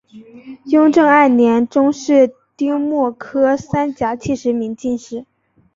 雍正二年中式丁未科三甲七十名进士。